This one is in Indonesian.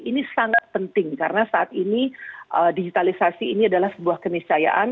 ini sangat penting karena saat ini digitalisasi ini adalah sebuah keniscayaan